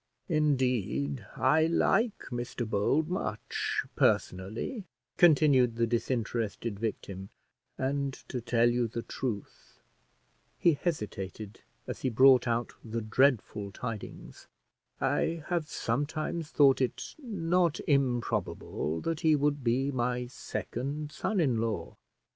"Indeed, I like Mr Bold much, personally," continued the disinterested victim; "and to tell you the 'truth,'" he hesitated as he brought out the dreadful tidings, "I have sometimes thought it not improbable that he would be my second son in law."